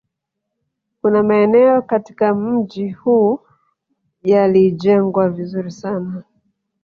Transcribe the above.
Kuna maeneo katika mji huu yalijengwa vizuri sana